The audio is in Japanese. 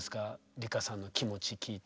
梨花さんの気持ち聞いて。